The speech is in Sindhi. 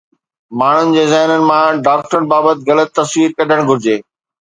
ماڻهن جي ذهنن مان ڊاڪٽرن بابت غلط تصوير ڪڍڻ گهرجي